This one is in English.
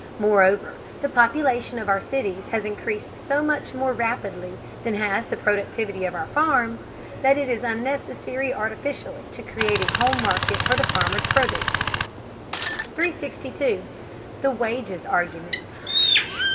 Moreover, the population of our cities has increased so much more rapidly than has the productivity of our farms, that it is unnecessary artificially to create a home market for the farmer's produce. 362. THE WAGES ARGUMENT.